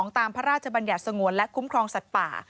ตามพระราชบัญญัติสงวนและคุ้มครองสัตว์ป่า